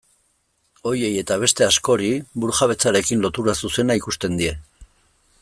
Horiei eta beste askori burujabetzarekin lotura zuzena ikusten die.